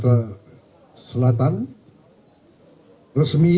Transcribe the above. dan resmi tadi kita terima sebagai anggota partai gerindra